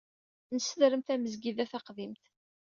Nessedrem tamezgida taqdimt.